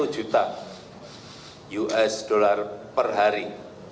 satu juta usd per hari